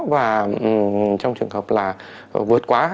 và trong trường hợp là vượt quá